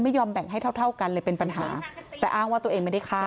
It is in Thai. ยอมแบ่งให้เท่าเท่ากันเลยเป็นปัญหาแต่อ้างว่าตัวเองไม่ได้ฆ่า